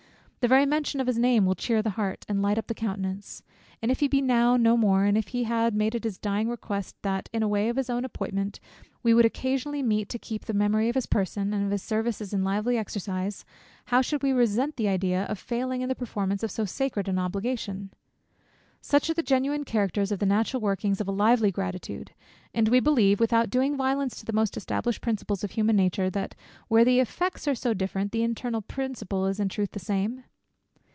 The very mention of his name will cheer the heart, and light up the countenance! And if he be now no more, and if he had made it his dying request that, in a way of his own appointment, we would occasionally meet to keep the memory of his person, and of his services in lively exercise; how should we resent the idea of failing in the performance of so sacred an obligation! Such are the genuine characters, such the natural workings of a lively gratitude. And we believe, without doing violence to the most established principles of human nature, that where the effects are so different, the internal principle is in truth the same?